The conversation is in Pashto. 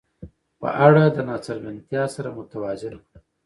په اړه د ناڅرګندتیا سره متوازن کړه.